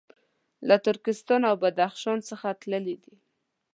له ترکستان او بدخشان څخه تللي دي.